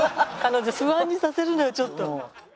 不安にさせるのよちょっと。